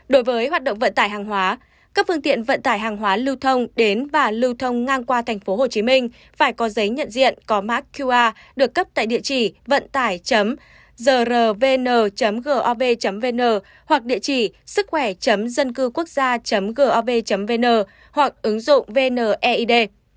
đối với hoạt động vận tải hàng hóa các phương tiện vận tải hàng hóa lưu thông đến và lưu thông ngang qua tp hcm phải có giấy nhận diện có mát qr được cấp tại địa chỉ vận tải grvn gov vn hoặc địa chỉ sức khỏe dân cư quốc gia gov vn hoặc ứng dụng vn eid